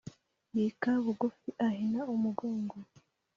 yika bugufi ahina umugongo